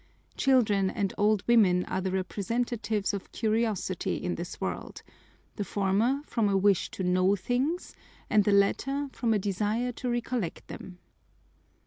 Children and old women are the representatives of curiosity in this world: the former from a wish to know things and the latter from a desire to recollect them.